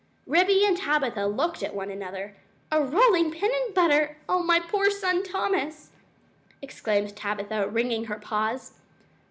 Ribby and Tabitha looked at one another. "A rolling pin and butter! Oh, my poor son Thomas!" exclaimed Tabitha, wringing her paws.